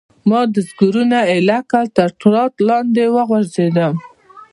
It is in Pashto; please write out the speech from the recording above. ما دستګیرونه ایله کړل، تر ټاټ لاندې ور وغورځېدم.